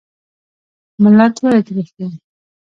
ملی ولې تریخ وي؟